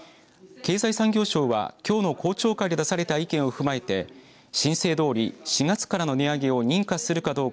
経済産業省はきょうの公聴会で出された意見を踏まえて申請どおり、４月からの値上げを認可するかどうか。